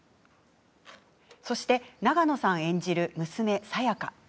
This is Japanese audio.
そして永野さん演じる娘・清佳。